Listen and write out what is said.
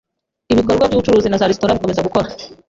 ibikorwa by’ubucuruzi na za resitori bikomeza gukora